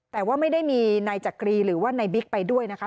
แต่ว่าไม่ได้มีนายจักรีหรือว่านายบิ๊กไปด้วยนะคะ